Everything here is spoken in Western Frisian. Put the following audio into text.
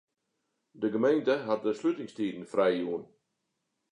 De gemeente hat de slutingstiden frijjûn.